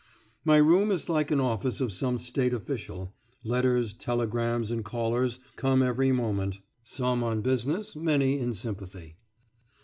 My room is like an office of some state official; letters, telegrams, and callers come every moment, some on business, many in sympathy.